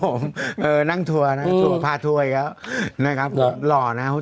โอ้โหเออนั่งทัวร์นะไถวด้วยแล้วนะครับลอนะครับ